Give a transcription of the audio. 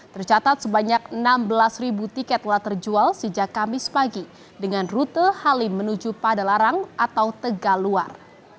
tercatat sebanyak enam belas tiket telah terjual sejak kamis pagi dengan rute halim menuju padalarang atau tegaluar